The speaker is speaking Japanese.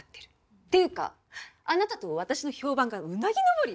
っていうかあなたと私の評判がうなぎ登りよ。